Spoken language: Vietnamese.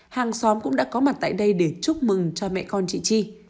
hàng xóm cũng đã có mặt tại đây để chúc mừng cho mẹ con chị chi